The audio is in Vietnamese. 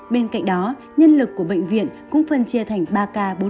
bên cạnh đó nhân lực của bệnh viện cũng phân chia thành ba công suất